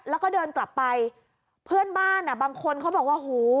แล้วก็เดินกลับไปเพื่อนบ้านอ่ะบางคนเขาบอกว่าโห